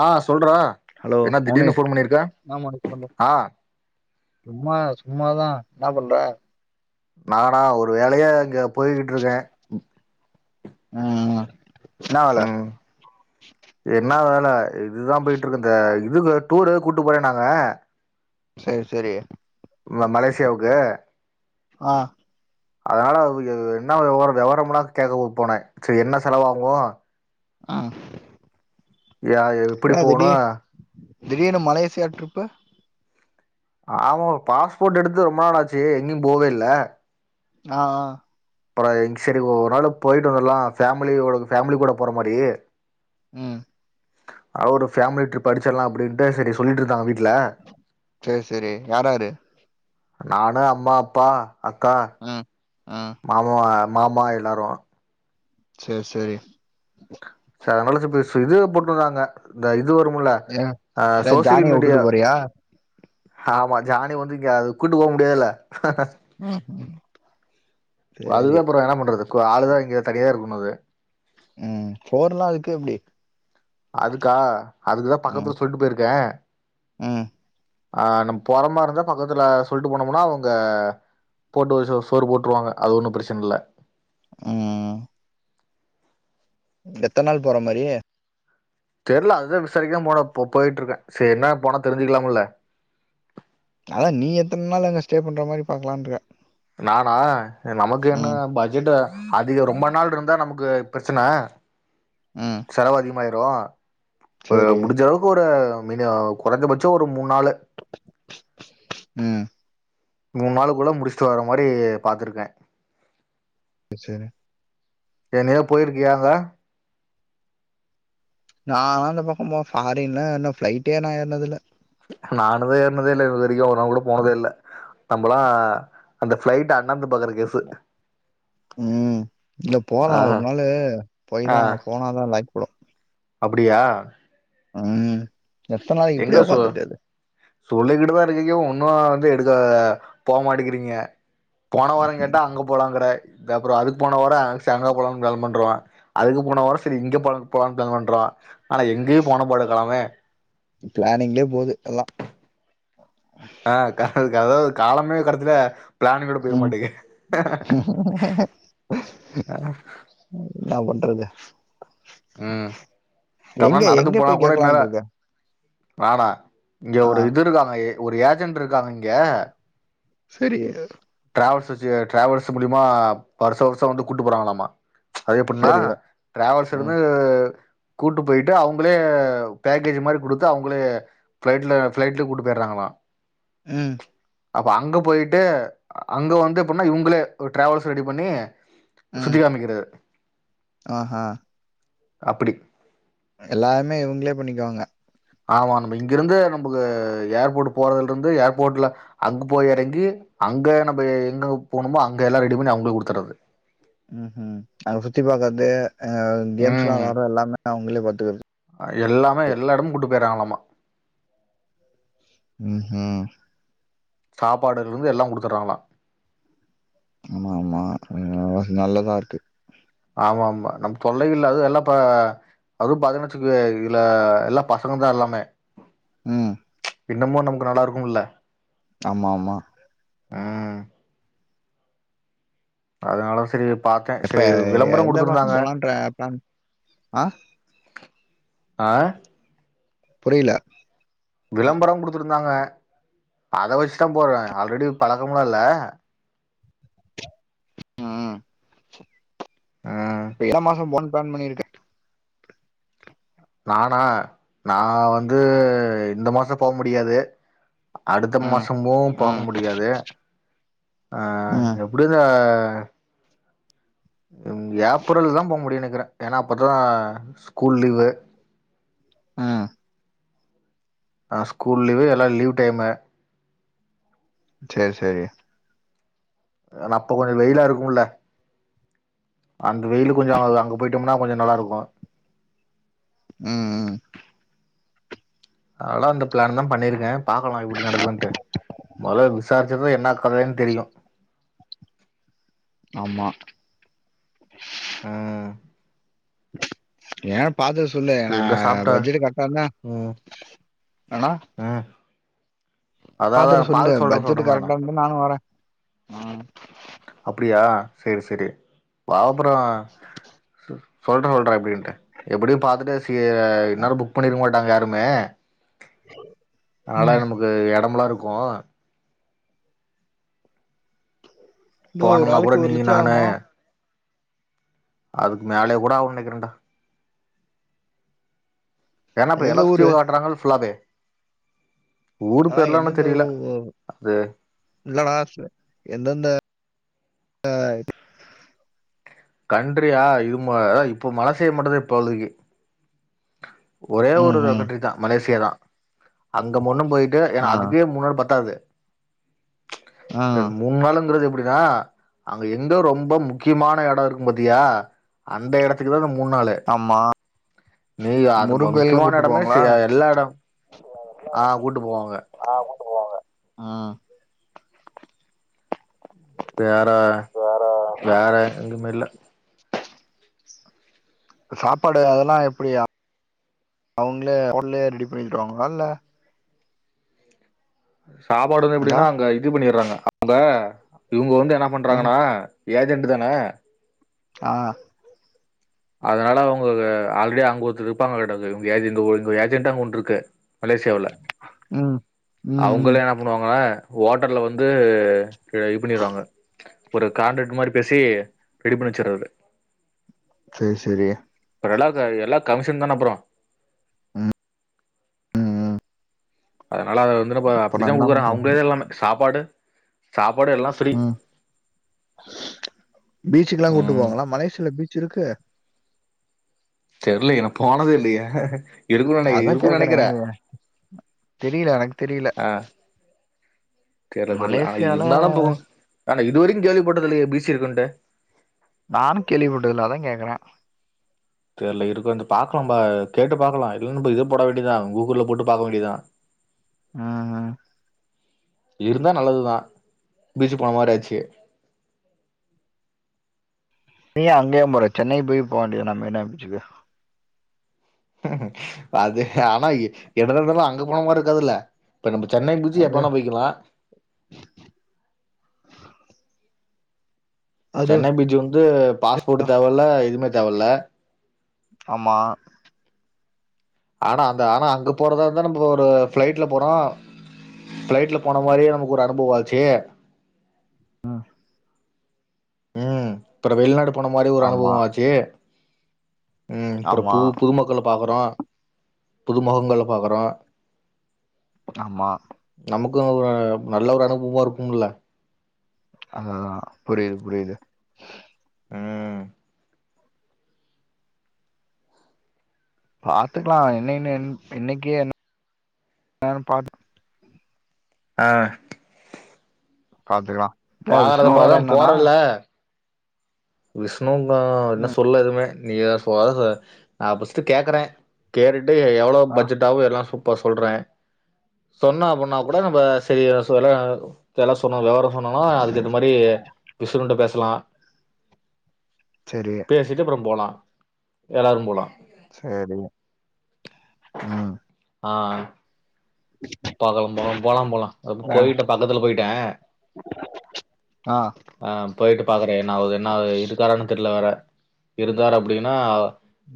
ஆ சொல்றா ஹலோ என்ன மௌனி திடீர்னு ஃபோன் பண்ணிருக்க ஆமா பண்ற ஆ சும்மா சும்மாதா என்னா பண்ற நானா ஒரு வேலயா இங்க போய்கிட்டு இருக்கே ம் ம் ம் என்ன வேல இதுதா போய்ட்டு இருக்கு இந்த இதுல டூறு கூட்டு போறேன்னாங்க சரி சரி மலேசியாவுக்கு ஆ அதனால என்ன விவரோ வெவரம்ல்லா கேக்க போனே சேரி என்ன செலவாகு ஆம் யா எப்புடி போனு திடீர்னு மலேசியா ட்ரிப்பு ஆமாபம் ஒரு பாஸ்போர்ட் எடுத்து ரொம்ப நாள்ளாச்சு எங்கேயு போவே இல்ல ஆ ஆ அப்றோ எங்சைடு ஒரு நாளு போயிட்டு வந்துருலா ஃபேமிலி யோட ஃபேமிலி கூட போற மாரி ம் அவரு ஃபேமிலி ட்ரிப் அடிச்சிடலா அப்புடின்ட்டு சேரி சொல்லிட்ருந்தாங்க வீட் சேரி சேரி யார்யாரு நானு அம்மா அப்பா அக்கா ம் ம் மாமா மாமா எல்லாரு சே சேரி க்கா அதனால [unintelligible] இதுவே போட்ருந்தாங்க இந்த இது இது வரும்ல ஏ ஆ ஏ சோசியல் ஜானிய மீடியா வுட்டுட்டு போறியா ஆமா ஜானி வந்துங்க கூட்டு போக முடியாதுல்ல ம் ம் சரி அதுவே அப்றோ என்ன பண்றது கோ ஆளுதா இங்க தனியா இருக்குனுது ம் போர்லா அதுக்கு எப்புடி அதுக்கா அதுக்குதா பக்கத்துல சொல்ட்டு போயிருக்கே ம் ஆ நம் போறமா இருந்தா பக்கத்துல சொல்லிட்டு போனோம்னா அவுங்க போட்டு ஒரு சோ சோறு போட்டுருவாங்க அது ஒன்னு பிரச்சன இல்ல ம் எத்தன் நாள் போற மாரி தெரில அதுதா விசாரிக்காம போன போயிட்ருக்கே சேரி என்ன போனா தெரிஞ்சுக்கலாம்ல அதா நீ எத்தன் நாள் எங்க ஸ்டே பண்ற மாரி பாக்கலான்டுருக்க நானா நமக்கு என்ன ம் பட்ஜெட்ட அதிகோ ரொம்ப நாள் இருந்தா நமக்கு பிரச்சன ம் செலவு அதிகமாய் ரு சரி முடிஞ்ச அளவுக்கு ஒரு மீனு கொறஞ்சபட்சோ ஒரு மூணாளு ம் மூன் நாளுக்குள்ள முடிச்சுட்டு வர மாரி பாத்துருக்கே ச்சேரி என்னயோ போயிருக்கியா அங்க நான்னா அந்த பக்கோ போ ஃபாரின் இன்னு ஃளைட்டே நா ஏறுனதில்ல நானுதே ஏறனதேல்ல இது வரைக்கு ஒரு நாள் கூட போனதே இல்ல நம்மலா அந்த பிளைட்ட அண்ணாந்து பாக்குற கேஸ்சு ம் இல்ல போலா ஒரு நாளு போய் தா போனாதா லாக்கிபடு அப்படியா ம் எத்தன நாளைக்கு இப்படியே உக்காந்துருக்குறது சொல்லிக்கிட்டுதா இருக்கீங்க ஒன்னு வந்து எடுக்க போ மாட்டிக்கிறீங்க போன வாரோ கேட்டா அங்க போலாங்குற இந்த அப்றோ அதுக்கு போன வாரோ செங்கோ போலாம்னு பிளான் பண்றே அதுக்கு போன வாரோ சேரி இங்க போ போலாம்னு பிளான் பண்றோ ஆனா எங்கேயு போன பாடு கானோமே பிளானிங்லயே போது எல்லா ஆ கா அதாவது காலமே கடசில ம் [inaudible] னா பண்றது ம் கம எங்க நடந்து எங்க போனாக் போய் கூட இன்நேர கேக்கலான்ருக்க நானா இங்க ஆ ஒரு இது இருக்காங்க எ ஒரு ஏஜென்ட்ருக்காங்க இங்கெ செரி ட்ராவல்ஸ் வச்சு ட்ராவல்ஸ் மூலிமா வர்ஷ வர்ஷொ வந்து கூட்டு போறாங்களாமா அது எப்புன்னா செரி ட்ராவல்ஸ் ம் [unintelligible] கூட்டு போய்ட்டு அவங்களே பேக்கேஜ் மாரி குடுத்து அவங்களே ஃபிளைட்ல ஃபிளைட்டு கூட்டு போய்ட்றாங்கா லா ஆ ம் அப்போ அங்க போய்ட்டு அங்க வந்து எப்புட்ன்னா இவங்களே ஒரு ட்ராவில்ஸ் ரெடி பண்ணி ம் சுத்தி காமிக்கிறது அ அ அப்புடி ம் எல்லாமே இவங்களே பண்ணிக்குவாங்க ஆமா நம்ம இங்கிருந்து நம்புக்கு ஏர்போர்ட்க் போறதுல்ட்ருந்து ஏர்போர்ட்ல அங்க போய் எறங்கி அங்க நம்ப எங்கங்க போணுமோ அங்க எல்லா ரெடி பண்ணி அவங்களுக் குடுத்துட்றது ம் ம் அத சுத்தி பாக்கற்தே அ கேம்ஸ்லா வெளாட்ற எல்லாமே அவங்களே பாத்துக்கற்து அ எல்லாமே எல்லா எடமும் கூட்டு போய்ட்றாங்களாமா ம் ம் சாப்பாடுலுருந்து எல்லா குடுத்துட்றாங்களா ஆமா ஆமா [unintelligible] நல்லதா இருக்கு ஆமா ஆமா நம்ப் தொல்லையில்ல அது எல்லா இப்ப அதுவு பாத்தீங்னா வச்சுக்குலே இதுல எல்லா பசங்க தா எல்லாமே ம் இன்னமோ நமக்கு நல்லா இருக்கும்ல்ல ஆமாம்மா ஆ அதுனாலும் செரி இப் பாத்தே எப்ப செரி விளம்பரோ எந்த மாசம் குடுத்துருந்தாங்க போலான்ற பிளான் ஆ அ புரிய்ல விளம்பரம் குடுத்ருந்தாங்க அத வெச்சுதா போற ஆல்ரெடி பழக்கம்லா இல்ல ம் [unintelligible] ம். ப்ளான் பண்ணிருக்க நானா நா வந்து இந்த மாசொ போ முடியாது அடுத்த ம் மாசமோ போக ம் முடியாது ஆ ம் எப்டியு இந்த அ ம் ஏப்ரல்லதா போ முடியு நெக்கிற ஏன்னா அப்பதா ஸ்கூல் லீவு ஆ ஆ ஸ்கூல் லீவு எல்லா லீவ் டைமு சேர் சேரி எனா அப்ப கொஞ்ச வெயிலா இருக்கும்ல அந்த வெயிலு கொஞ்சோ அது அங்க போய்ட்டோம்னா கொஞ்சோ நல்லா இருக்கு ம் ம் அத்னாலதா இந்த ப்ளானுதா பண்ணிருக்க பாக்கலா எப்டி நடக்குதூன்ட்டு மொதல வி சாரிச்சாதா என்ன கதேன் தெரியு ஆமா ஆ ஏ பாத்து சொல்லு நா சரி எங்க சாப்ட்ட பட்ஜெடு கரெக்ட்டா இருந்தா ம் ஆனா ம் அதா அதா பாத்துட்டு சொல்லு பாத்து சொல்றே பட்ஜெட் சொல்றே கரெக்டா இருந்தா நானு வர்ர அப்டியா செரி செரி வா ப்ரோ சொல்றே சொல்றே எப்டின்டு எப்டியு பாத்துட்டு கீர இருந்தாலு புக் பண்ணிருக்க மாட்டாங்க யாருமே அதெல்லா ம் இருந்து எடமெல்லா இருக்கு இதோ ஒரு போன்னா கூட ஆளுக்கு ஒரு நீயு லட்சம் நானு ஆகுமா அதுக்கு மேலயே கூட ஆகுனு நெனக்கிறன்டா ஏனா இப்ப எந்தெந்த எல்லா சுத்தியு ஊரு காட்டுறாங்கல்ல ஃபுல்லாவே ஊரு அதா பேர்லா இன்னு எந்தெந்த தெரியல ஊ அது இல்லடா எந்தெந்த ஆ கன்ட்ரியா இது மொ இப்போ மல சைடு மட்டுதா இப்போதைக்கு ஒரே ஒரு ம் ம் கன்ட்ரிதா மலேசியாதா அங்க முன்னும் போயிட்டு ஏனா ஆ அதுக்கே மூன் நாள் பத்தாது ஆ இப்ப மூண் நாளுங்கிறது எப்டி எ அங்க எங்க ரொம்ப முக்கியமான எடோ இருக்கும் பாத்தியா அந்த எடத்துக்குதா நம் ஆமா நீ அது மு முருகன் கோயிலுக்குலா முக்கியமான கூட்டு எடமே செ போவாங்களா எல்லா எடோ ஆ கூட்டு போவாங்க ஆ கூட்டு போவாங்க ம் வேற வேற வேற எங்குமே இல்ல சாப்பாடு அதெல்லா எப்டி அவுங்களே அவுங்களே ரெடி பண்ணிடுவாங்ளா இல்ல சாப்பாடுதா அக்கா எப்டினா அங்க இது பண்ணிர்றாங்க அங்க இவுங்க வந்து என்ன ம் பண்றாங்கன்னா ஏஜெண்டுதான ஆ அதனால அவுங்க ஆல்ரெடி அங்க ஒருத்தர் இருப்பாங்கலாட்டுக்குது இவுங்க ஏஜென்டு ஒ இங்க ஏஜென்டு அங்க ஒண்ணு இருக்கு மலேசியாவுல ம் ம் ம் அவுங்களே என்ன பண்ணுவாங்க ஓட்டல்ல வந்து இது பண்ணிருவாங்க ஒரு காண்ட்ராக்ட் மாரி பேசி ரெடி பண்ணி வெச்சறது சேர் செரி ரளவுக்கு எல்லா கமிஷன்தான ப்ரோ ம் அதனால அது வந்தென்னப்போ அப்ப நா அப்டிதா என்ன குடுக்கறான் பண்ற அவுங்களேதா எல்லாமே சாப்பாடு சா ம் பீச்சுக்கெல்லாங் கூட்டு ம் போவங்ளா மலேஷியால எப்டி பீச்சிருக்கு தெர்லயே நா போனதே இல்லயே இருக்கு நெனக்கிற அதா இருக்கு கேக்குறே நெனக்கிற தெரில எனக்கு தெரில ஆ கேட்டது தெர்ல ஆனா மலேசியால இருந்தாலும் போ ஆனா இதுவரைக்கு கேள்வி பட்டது இல்லையே பீச் இருக்குன்ட்டு நானு கேள்விப்பட்டது இல்ல அதா கேக்கற தெர்ல இருக்குன்ட்டு பாக்கனுபா கேட்டு பாக்கலா இல்லன்ன இ இது போட வேண்டியதா கூகுள்ல போட்டு பாக்க வேண்டியதா ம் இருந்தா நல்லதுதா பீச்சு போன மாரி ஆச்சு நீயேன் அங்கே ஏன் போற சென்னை போய் போ வேண்டியதுதான மெரினா பீச்சுக்கு அது ஆனா என்னதா இருந்தாலு அங்க போன மாரி இருக்காதில்ல இப்ப நம்ம சென்னை பீச்சு எப்ப அது வேணா போய்க்கலா அது சென்னை பீச் வந்து பாஸ்போர்ட் தேவ இல்ல எதுமே தேவ இல்ல ஆமா ஆனா அந்த ஆனா அங்க போறதா இருந்தா நம்ம ஒரு ஃபிளைட்ல போனா ஃபிளைட்ல போன மாரியே நமக்கு ஒரு அனுபவோ ஆச்சு ம் அப்றோ வெளிநாடு போன மாரி ஒரு ஆமா அனுபவம் ஆச்சு ம் அப்றோ ஆமா பு புதுமக்கள பாக்குறோ புது முகங்கல பாக்குறோ ஆமா [unintelligible] நல்ல ஒரு அனுபுவ்பா இருக்கும்ல அததான் புரியுது புரியுது ம் பாத்துக்லா என்ன இன்னு என் என்னிக்கே என் [inaudible] அ பாத்துக்லா த விஷ்ணுவ வரேன்னானா விஷ்ணுந்தா ன்ன சொல்ல எதுமே நீயாஸ் வாரத அ பஸ்டு கேக்குறே கேருட்டு எவளோ ஆ பச்ஜட்டாவு எல்லாசு போ சொல்றே சொன்ன அப்புன்னா கூட நம்ப செரி [unintelligible] எல்லா சொன்ன வெவரொ சொன்னனா அதுக்கு ஏத்த மரி விசுறுண்ட பேஸ்லா செரி பேசிட்டு அப்றொ போலா எல்லாரு போலா சேரி ம் ஆ பாக்கலம் போலம் போலாம் போலா அப் ஆ போயிட்ட பக்கத்துல பொய்ட்ட ஆ அ பொய்ட்டு பாக்குற என்னாவுது என்னாவு இருக்காரானு தெர்ல வேற இருந்தார் அப்புடினா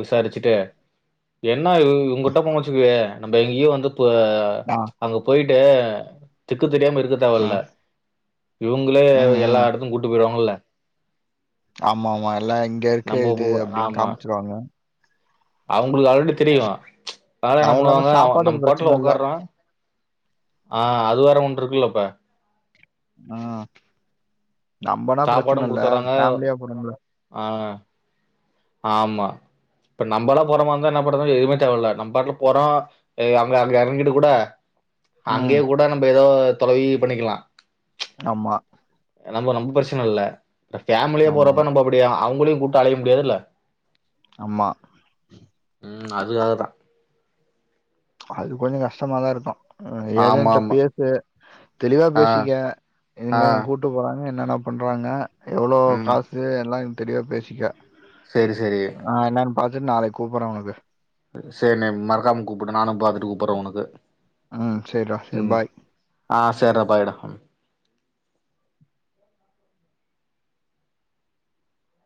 விசாரிச்சிட்டு என்னா இவ் இவுங்குட்ட போங் வெச்சுக்குவே நம்ப எங்யு வந்து பு ஆ அங்க பொய்ட்டு திக்கு தெரியாம இருக்க தேவல்ல ம் இவுங்ளே ம் எல்லா ம் இடத்து கூட்டு பெய்ருவாங்குல்ல ஆமா ஆமா எல்லா இங்க இர்க்க நம்ம இது அப்டின் காம்ச்சிருவாங்க அவ்ங்ளுக் ஆழடி திரியு அது [unintelligible] இல்லாம அவ நம் சாப்பாட்டுக்கு பாட்டுல பிரச்சன இல்ல ஒக்கார்ரா ஆ அது வேற ஒன்ருக்குல்லப்ப ஆ நம்பனா சாப்பாடு ப்ரச்சன இல்ல குடுத்துர்றாங்க ஃபேம்லியா போறோம்ல ஆ ஆமா இப்ப நம்பலா போற மா இருந்தா என்ன பண்றது எதுமே தேவல்ல நம் பாட்ல போறோ எ அங்க அங்க எறங்கிடு கூட அங்யே ம் கூட நம்ப எதோ தொலவி பண்ணிக்கிலா ஆமா நம்ப நம்பு பரச்சினல்ல ஃபேமுலிய ஆமா போறப்ப நம்ப அப்புடி அவுங்குளியு கூட்டு அலைய முடியாதுல்ல அம்மா ம் அது அததா அது கொஞ்சொ கஷ்டமாதா இருக்கு ஆமா ஏஜென்ட்ல ஆமா பேசு தெளிவா ஆ பேசிக்க ஆ என்னெங்க கூட்டு போறங் என்னன பண்றாங்க எவ்ளோ காசு எல்லா இன் தெரியா பேசிக்க சேரி சேரி நாளக் கூப்பற்ற உனக்கு சேர் நேம் மற்க்காம கூப்புடு நானு பாது டூப்பற ஒனக்கு ம் செரிடா செரி ம் பாய் ஆஸ் சேர்ரா பாய் டா